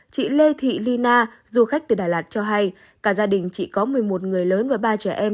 chị lê thị ly na du khách từ đà lạt cho hay cả gia đình chị có một mươi một người lớn và ba trẻ em